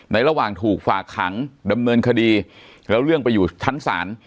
ระหว่างถูกฝากขังดำเนินคดีแล้วเรื่องไปอยู่ชั้นศาล